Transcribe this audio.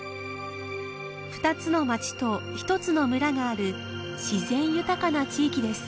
２つの町と１つの村がある自然豊かな地域です。